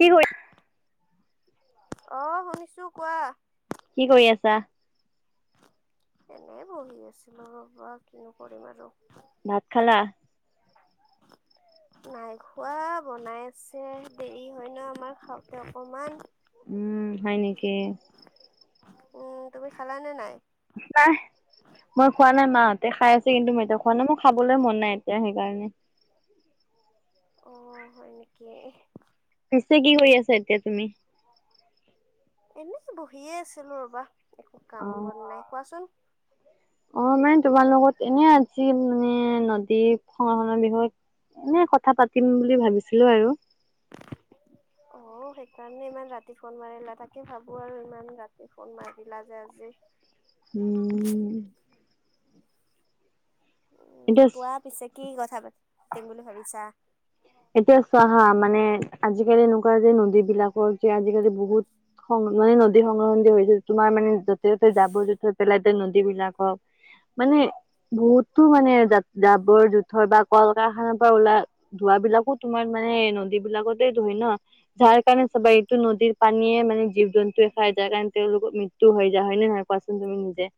কি কৰি অ' শুনিছো কোৱা। [inaudible] কি কৰি আছা। এনে বহি আছিলো ৰ'বা কিনো কৰিম আৰু। ভাত খালা? নাই খোৱা বনাই আছে দেৰি হয় ন আমাৰ খাওঁতে অকমান। উম, হয় নেকি? উম, তুমি খালা নে নাই? নাই। মই খোৱা নাই মাহঁতে খাই আছে কিন্তু মই এতিয়া খোৱা নাই মোৰ খাবলৈ মন নাই এতিয়া সেইকাৰণে। অ', হয় নেকি? পিছে কি কৰি আছা এতিয়া তুমি। এনে বহিয়ে আছিলো ৰ'বা একো অ কাম বন নাই, কোৱাচোন অ' মানে তোমাৰ লগত এনে আজি মানে নদী খনৰ বিহুত এনে কথা পাতিম বুলি ভাবিছিলো আৰু। অ, সেইকাৰণে ইমান ৰাতি ফোন মাৰিলা তাকে ভাবো আৰু ইমান ৰাতি ফোন মাৰিলা যে আজি। উম। উম, এতিয়া কোৱা পিছে কি কথা পাতিম বুলি ভাবিছা। এতিয়া চোৱা হা মানে আজিকালি এনেকুৱা যে নদী বিলাকৰ যে আজিকালি বহুত মানে নদী সংগ্ৰহ যে হৈছে তোমাৰ মানে য'তে যতে যাব জোথৰ পেলাই থৈ নদীবিলাকত। মানে বহুতো মানে জাবৰ জোথৰ বা কল কাৰখানাৰ পৰা ওলোৱা ধুৱা বিলাক অ' তোমাৰ মানে নদী বিলাকতে ধুই ন যাৰ কাৰণে সব এইটো নদীৰ পানীয়ে মানে জীৱ জন্তু খাই যাৰ কাৰণে তেওঁলোকৰ মৃত্যু হৈ যায় হয় নে নহয় কোৱা। [unintelligible] নিজে [inaudible]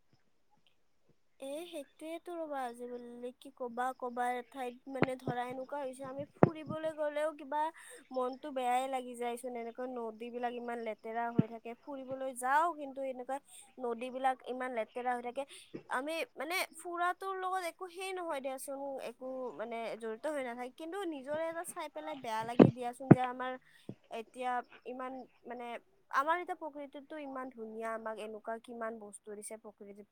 তে সেইটোয়েতো ৰ'বা আজি বুলে কি ক'বা ক'বাৰ এঠাইত মানে ধৰা এনেকুৱা হৈছে আমি ফুৰিব গলেও কিবা মনতো বেয়াই লাগি যায়চোন এনেকৈ নদী বিলাক ইমান লেতেৰা হৈ থাকে। ফুৰিবলৈ যাওঁ কিন্তু এনেকুৱা নদী বিলাক ইমান লেতেৰা হৈ থাকে আমি মানে ফুৰাটোৰ লগত একো সেই নহয় দিয়াচোন একো মানে জড়িত হৈ নাথাকে কিন্তু নিজৰে এটা চাই পেলাই বেয়া লাগে দিয়াচোন যে আমাৰ এতিয়া ইমান মানে আমাৰ এতিয়া প্ৰকৃতিতো ইমান ধুনীয়া আমাক এনেকুৱা কিমান বস্তু দিছে প্ৰকৃতি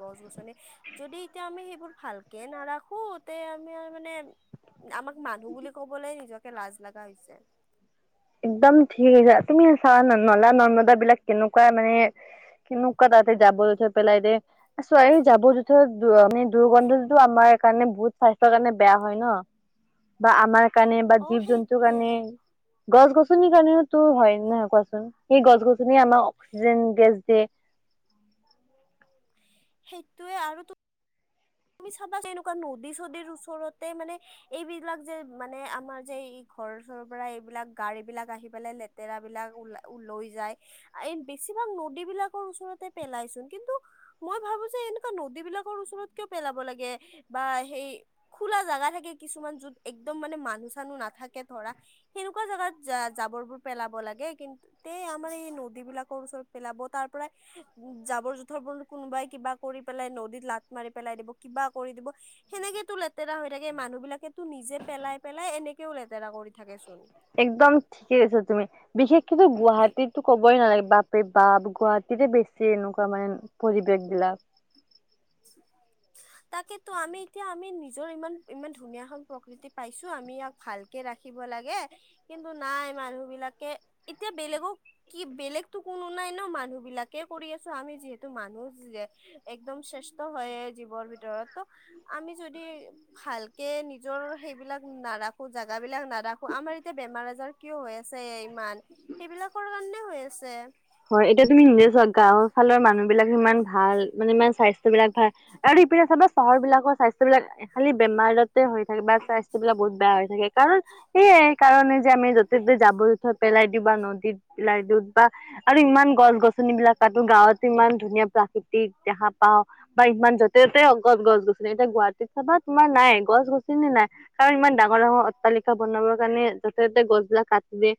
গছ গছনি যদি এতিয়া আমি সেইবোৰ ভালকে নাৰাখো তে আমি মানে আমাক মানুহ বুলি ক'বলৈয়ে নিজকে লাজ লগা হৈছে। একদম ঠিক আছে তুমি চোৱানা নলা নৰ্মদা বিলাক কেনেকুৱা মানে কেনেকুৱা তাতে যাবৰ-যথৰ পেলাই দেই, চোৱা যাবৰ-যথৰ মানে দুৰ্গন্ধ যিটো আমাৰ কাৰণে বহুত স্বাস্থ্যৰ কাৰণে বেয়া হয় ন, বা আমাৰ কাৰণে বা অ জীৱ জন্তু সেইটোৱে কাৰণে গছ গছনিৰ কাৰণেওতো হয় ন' সেই গছ গছনি আমাক অক্সিজেন গেছ দিয়ে। উম সেইটোয়ে আৰু টো তুমি চাবা যে এনেকুৱা নদী-চদীৰ ওচৰতে মানে এইবিলাক যে মানে আমাৰ যে ঘৰৰ-চৰৰ পৰা এইবিলাক গাড়ী বিলাক আহি পেলাই লেতেৰা বিলাক ওলাই লৈ যায়, ই বেছি বেছি ভাগ নদীবিলাকৰ ওচৰতে পেলাইচে। কিন্তু মই ভাবো যে এনেকুৱা নদীবিলাকৰ ওচৰত কিয় পেলাব লাগে বা সেই খোলা জাগা থাকে কিছুমান যত একদম মানে মানুহ চানুহ নাথাকে। ধৰা সেনেকুৱা জাগাত জাবৰ বোৰ পেলাব লাগে কিন্তু তে আমাৰ এই নদী বিলাকৰ পেলাব তাৰ পৰা জাবৰ জোথৰ বোৰ কোনোবাই কিবা কৰি পেলাই নদীত লাট মাৰি পেলাই দিব, কিবা কৰি দিব, সেনেকেটো লেতেৰা হৈ থাকে, মানুহ বিলাকে নিজে পেলাই পেলাই এনেকে লেতেৰা কৰি থাকেচোন একদম ঠিকেই কৈছা তুমি, বিশেষকৈ গুৱাহাটীতো ক'বই নালাগিব। বাপ ৰে বাপ গুৱাহাটীৰে বেছি এনেকুৱা মানে পৰিৱেশ বিলাক। [inaudible] তাকেতো আমি এতিয়া আমি নিজৰ ইমান ইমান ধুনীয়া খন প্ৰকৃতি পাইছো আমি ইয়াক ভালকে ৰাখিব ৰাখিব লাগে কিন্তু নাই মানুহ বিলাকে এতিয়া বেলেগক কি বেলেগতো কোনো আইন মানুহবিলাকে কৰি আছো আমি যিহেতু মানুহ যে একদম শ্ৰেষ্ঠ হয়। জীৱৰ ভিতৰত ত' আমি যদি ভালকে নিজৰ সেইবিলাক নাৰাখো জাগা বিলাক নাৰাখো আমাৰ এতিয়া বেমাৰ আজাৰ কিয় হৈ আছে? ইমান সেইবিলাকৰ কাৰণে হৈ আছে। হয়, এতিয়া তুমি নিজে চোৱা গাঁওৰ ফালৰ মানুহ বিলাক ইমান ভাল মানে ইমান স্বাস্থ্য বিলাক ভাল আৰু এইপিনে চাবা চহৰবিলাকৰ স্বাস্থ্যবিলাক খালী বেমাৰ আজাৰতে হৈ থাকে বা স্বাস্থ্যবিলাক বহুত বেয়া হৈ থাকে। কাৰণ সেইয এ কাৰণে যে আমি য'তে ত'তে জাবৰ পেলাই দিওঁ বা নদীত পেলাই দিওঁ বা আৰু ইমান গছ-গছনিবলাক তাতো গাঁৱত ইমান ধুনীয়া প্ৰাকৃতিক দেখা পাওঁ বা ইমান য'তে ত'তে অগ গছ-গছনি এতিয়া তেতিয়াৰ পৰা তোমাৰ নাই, গছ-গছনি নাই, কাৰণ ইমান ডাঙৰ ডাঙৰ অট্টালিকা বনাবৰ কাৰণে যথ ততে গছবিলাক কাটিলে।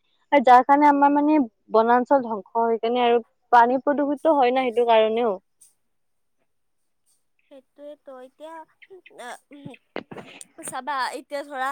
যাৰ কাৰণে আমাৰ মানে বনাঞ্চল ধ্বংস হৈ আৰু পানী প্ৰদূষিত হয় ন সেইটো কাৰণেও। ত এতিয়া চাবা এতিয়া ধৰা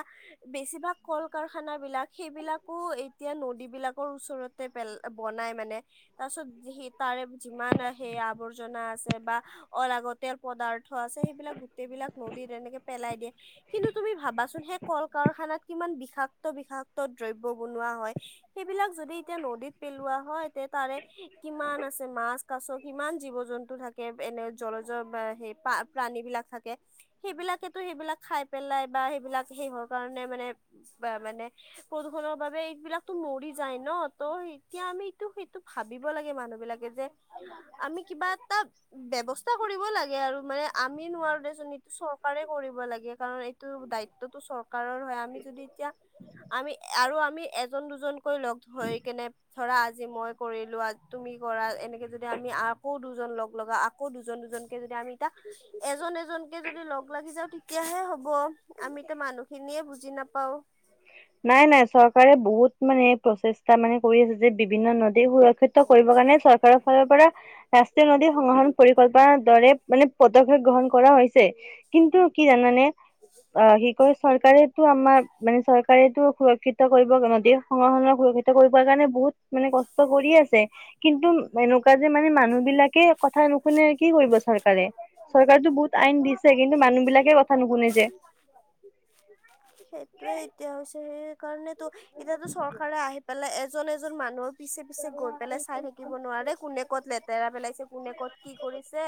বেছিভাগ কল কাৰখানা বিলাক সেইবিলাকো এতিয়া নদীবলাকৰ ওচৰতে পে-বনাই মানে তাৰ পিছত তাৰে যিমান সেই আৱৰ্জনা আছে বা অলাগতিয়াল পদাৰ্থ আছে সেইবিলাক গোটেই বিলাক নদীত এনেকে পেলাই দিয়ে কিন্তু তুমি ভাবাচোন সেই কল কাৰখানাত কিমান বিষাক্ত বিষা ত' দ্ৰব্য বনোৱা হয় সেইবিলাক যদি এতিয়া নদীত পেলোৱা হয় তে তাৰে কিমান আছে মাছ কাছ কিমান জীৱ জন্তু থাকে এনে জলজৰ পৰা সেই পা-প্ৰাণী বিলাক থাকে সেইবিলাকেতো সেইবিলাক খাই পেলাই বা সেইবিলাক সেহৰ কাৰণে মানে মানে প্ৰদূষণ বাবে এইবিলাকো মৰি যায় ন' ত' এতিয়া আমি এইটো সেইটো ভাবিব লাগে মানুহ বিলাক যে আমি কিবা এটা ব্যৱস্থা কৰিব লাগে আৰু মানে আমি নোৱাৰো দেচোন এইটো চৰকাৰে লাগে কাৰণ এইটো দায়িত্বটো চৰকাৰৰ হয় আমি যদি এতিয়া আমি আৰু আমি এজন দুজনকৈ লগ হৈ কেনে ধৰা আজি মই কৰিলো আজি কৰা, এনেকে যদি আমি আকৌ দুজন লগ লগা, আকৌ দুজন দুজনকে যদি আমি এতিয়া এজন এজন যদি লগ লাগি যাও তেতিয়াহে হ'ব আমিতো মানুহ খিনিয়ে বুজি নাপাও। নাই নাই চৰকাৰে বহুত মানে প্ৰচেষ্টা মানে কৰি আছে যে বিভিন্ন নদীৰ সুৰক্ষি কৰিবৰ কাৰণে চৰকাৰৰ ফালৰ পৰা ৰাষ্ট্ৰীয় নদী সংগ্ৰহণ পৰিকল্পনাৰ দৰে মানে পদক্ষেপ গ্ৰহণ ৰুপোণ কৰা হৈছে। কিন্তু কি জানানে অ সি কয় চৰকাৰেটো আমাৰ মানে চৰকাৰেটো সুৰক্ষিত কৰিব দেশ সংগনৰ উপিত কৰিব কাৰণে বহুত মানে কষ্ট কৰিয়ে আছে কিন্তু এনেকুৱা যে মানে মানুহ বিলাকে কথা নুশুনে কি কৰিব চৰকাৰে চৰকাৰতো বহুত আইন দিছে কিন্তু মানুহ বিলাকে কথা নুশুনে যে। [unintelligible] সেইটোয়ে এতিয়া হৈছে সেইকাৰণেতো এতিয়াতো চৰকাৰে আহি পেলাই এজন এজন মানুহৰ পিছে পিছে গৈ পেলাই চাই থাকিব নোৱাৰে কোনে ক'ত লেতেৰা পেলাইছে কোনে ক'ত কি কৰিছে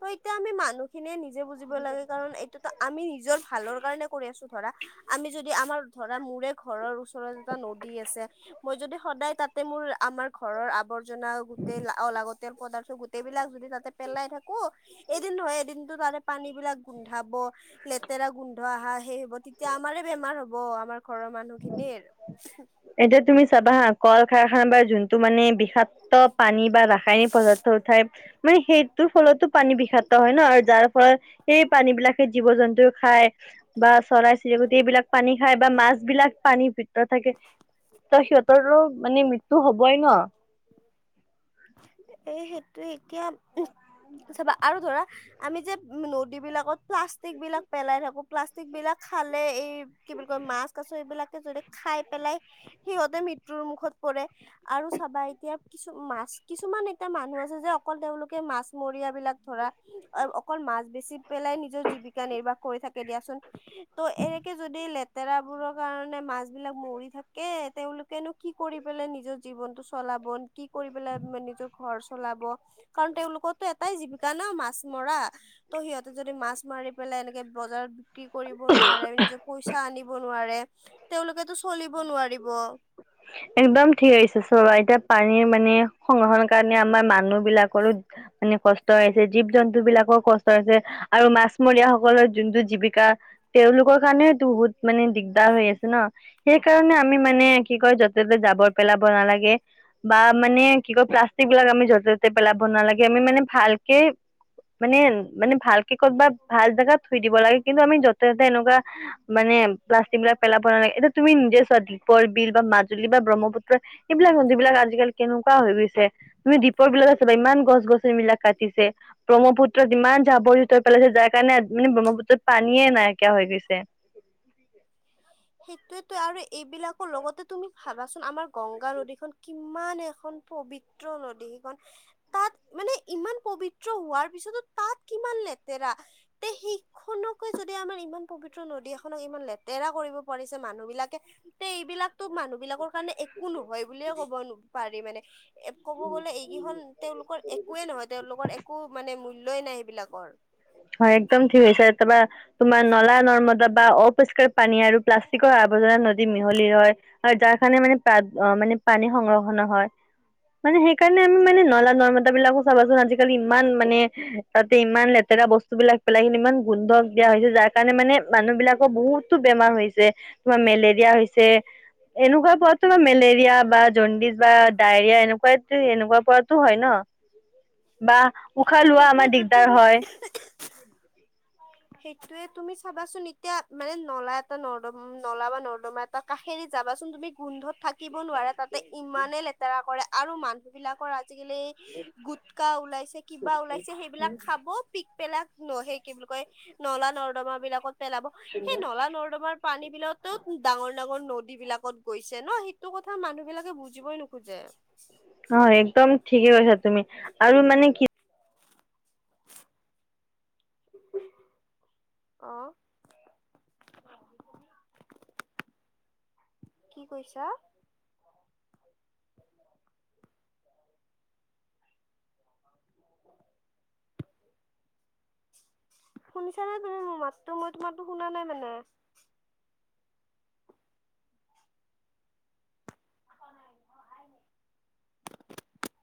তই এতিয়া আমি মানুহখিনিয়ে নিজে বুজিব লাগে কাৰণ এইটোতো আমি নিজৰ ভালৰ কাৰণে কৰি আছো ধৰা আমি যদি আমাৰ ধৰা মোৰে ঘৰৰ ওচৰত এটা নদী আছে মই যদি সদায় তাতে মোৰ আমাৰ ঘৰৰ আৱৰ্জনা গোটেই অলাগত তিয়াল পদাৰ্থ গোটেইবিলাক যদি তাতে পেলাই থাকো এদিন নহয় এদিনটো তাতে পানী বিলাক গোন্ধাব লেতেৰা গোন্ধ অহা সেই হ'ব তেতিয়া আমাৰে বেমাৰ হ'ব আমাৰ ঘৰৰ মানুহখিনিৰ এতিয়া তুমি চাবা হা কল বা যোনটো মানে বিষাক্ত পানী বা ৰাসায়নিক পদাৰ্থ উঠায় মানে সেইটোৰ ফলত পানী বিষাক্ত হয় ন আৰু যাৰ ফলত সেই পানী বিলাকে জীৱ জন্তু খাই বা চৰাই ছিল গোটেই এইবিলাক পানী খায় বা মাছ পানী পি থাকে ত সিহঁতৰো মানে মৃত্য হবই ন এ সেইটো এতিয়া চাবা আৰু ধৰা আমি যে নদী বিলাকত প্লাষ্টিক বিলাক পেলাই থাকো প্লাষ্টিক বিলাক খালে এই কি বুলি কয় মাছ কাছ এইবিলাকে যদি খাই পেলাই সিহঁতে মৃত্যুৰ মুখত পৰে আৰু চাবা এতিয়া কিছু মাছ কিছুমান এটা মানুহ আছে যে অকল তেওঁলোকে মাছমৰীয়াবিলাক ধৰা অ অকল মাছ বেচি পেলাই নিজৰ জীৱিকা নিৰ্বাহ কৰি থাকে দিয়াচোন ত' এনেকে যদি লেতেৰাবোৰৰ কাৰণে মাছ বিলাক মৰি থাকে তেওঁলোকেনো কি কৰি পেলে নিজৰ জীৱনটো চলাব কি কৰি পেলাই নিজৰ ঘৰ চলাব কাৰণ তেওঁলোকৰো এটাই জীৱিকা ন মাছ মৰা ত সিহঁতে যদি মাছ মাৰি পেলাই এনেকে বজাৰত বিক্ৰী কৰিব নোৱাৰে নিজৰ পইচা মানিব নোৱাৰে তেওঁলোকেতো চলিব নোৱাৰিব একদম ঠিক আহিছে এতিয়া পানীৰ মানে সংৰক্ষণ কাৰণে আমাৰ মানুহ বিলাকৰো মানে কষ্টছে জীৱ জন্তু বিলাকৰ কষ্ট আছে আৰু মাছমৰীয়াসকলৰ যোনটো জীৱিকা তেওঁলোকৰ কাৰণে বহুত মানে দিগদাৰ হৈ আছে ন সেই কাৰণে আমি মানে কি কয় য'তে ততে যাবৰ পেলাব নালাগে মানে কি কয় প্লাষ্টিক বিলাক আমি য'তে ত'তে পেলাব নালাগে আমি মানে ভালকে মানে মানে ভালকে ক'ত বা ভাল জেগাত থৈ দিব লাগে কিন্তু আমি য'তে যতে এনেকুৱা মানে মানে প্লাষ্টিক বিলাক পেলাব নালাগে এতিয়া তুমি নিজে চোৱা দীপৰ বিল বা মাজুলী বা ব্ৰহ্মপুত্ৰ এইবিলাক যিবিলাক আজিকাল কেনেকুৱা হৈ গৈছে তুমি দীপৰ বিলাকে চাবা ইমান গছ গছন বিলাক কাটিছে ব্ৰহ্মপুত্ৰত ইমান জাবৰ যোতৰ পেলাইছে যাৰ কাৰণে মানে ব্ৰহ্মপুত্ৰত পানীয়ে নাইকিয়া হৈ গৈছে ি [unintelligible] সেইটো আৰু এইবিলাকৰ লগতে তুমি ভাবাচোন আমাৰ গংগা নদীখন কিমান এখন পবিত্ৰ নদীখন তাত মানে ইমান পবিত্ৰ হোৱাৰ পিছতো তাত কিমান লেতেৰা তে সেইখনকে যদি আমাৰ ইমান পবিত্ৰ নদী এখনক লেতেৰা কৰিব পাৰিছে মানুহ বিলাকে তেয়া এইবিলাক তো মানুহ বিলাকৰ কাৰণে একো নহয় বুলিয়ে ক'ব ন পাৰি মানে এ ক'ব গ'লে এইকেইখন তেওঁলোকৰ একোৱে নহয় তেওঁলোকৰ একো মূল্যয়ে নাই সেইবিলাকৰ হয় এক্দম ঠিক হৈছে তাৰপা তোমাৰ নলা নৰ্মদা বা অপৰিষ্কাৰ পানী আৰু প্লাষ্টিকৰ জা নদী মিহলি হয় আৰু যাৰ কাৰণে মানে অ মানে পানী সংৰক্ষণ হয় মানে সেইকাৰণে আমি মানে নলা নৰ্মদা বিলাকো চাবাচোন আজিকালি ইমান মানে তাতে ইমান লেতেৰা বস্তু বস্তু বিলাক পেলাই সিনি ইমান গোন্ধক দিয়া হৈছে যাৰ কাৰণে মানে মানুহ বিলাকৰ বহুতো বেমাৰ হৈছে তোমাৰ মেলেৰিয়া হৈছে এনেকুৱা পতো বা মেলেৰিয়া বা জণ্ডিছ বা ডায়েৰিয়া এনেকুৱাই এনেকুৱা পৰাতো হয় ন বা উশাহ লোৱা আমাৰ সেইটোয়েতো দিগদাৰ তুমি হয় সেইটোয়ে তুমি চাবাচোন এতিয়া মানে নলা এটা নৰ্দমা নলা বা নৰ্দমা এটা কাষেদি যাবাচোন তুমি গোন্ধত থাকিব নোৱাৰা তাতে ইমানে লেতেৰা কৰে আৰু মানুহ বিলাকৰ আ আজিকি গুটকা ওলাইছে কিবা ওলাইছে সেইবিলাক খাব পিক পেলাক ন সেই কি বুলি কয় নলা নৰ্দমা বিলাকত পেলাব সেই নলা নৰ্দমাৰ পানী বিলাকতো ডাঙৰ ডাঙৰ নদী বিলাকত গৈছে ন সেইটো কথা মানুহ বিলাকে বুজিবই নোখোজে। অ একদম ঠিকে কৈছা তুমি আৰু মানে কি অ কি কৈছা শুনিছা নাই তুমি মোৰ মাতো মই তোমাৰো শুনা নাই মানে [unintelligible]